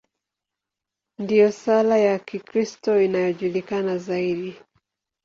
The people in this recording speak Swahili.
Ndiyo sala ya Kikristo inayojulikana zaidi.